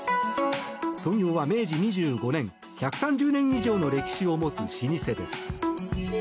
創業は明治２５年１３０年以上の歴史を持つ老舗です。